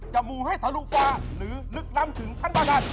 อย่ามูให้ทะลุคฟ้าหรือลึกลำถึงชั้นประกาศ